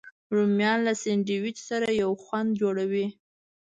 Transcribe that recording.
رومیان له سنډویچ سره یو خوند جوړوي